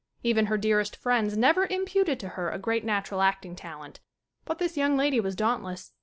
Even her dearest friends never imputed to her a great natural acting talent. But this young lady was dauntless.